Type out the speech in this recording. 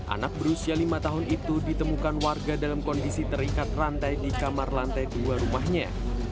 anak berusia lima tahun itu ditemukan warga dalam kondisi terikat rantai di kamar lantai dua rumahnya